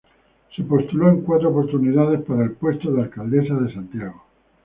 Se postuló en cuatro oportunidades para el puesto de alcaldesa de Santiago.